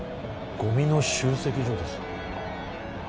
ゴミの集積所です